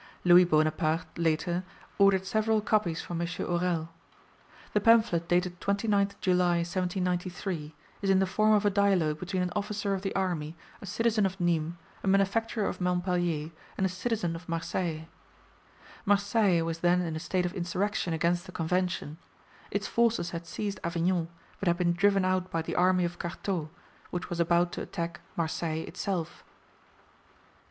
Louis Bonaparte, later, ordered several copies from M. Aurel. The pamphlet, dated 29th July 1793, is in the form of a dialogue between an officer of the army, a citizen of Nismes, a manufacturer of Montpellier, and a citizen of Marseilles. Marseilles was then in a state of insurrection against the Convention. Its forces had seized Avignon, but had been driven out by the army of Carteaux, which was about to attack Marseilles itself."